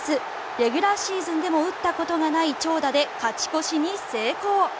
レギュラーシーズンでも打ったことがない長打で勝ち越しに成功。